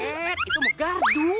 eh itu mah gardu